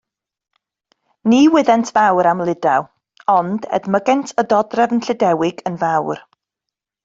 Ni wyddent fawr am Lydaw, ond edmygent y dodrefn Llydewig yn fawr.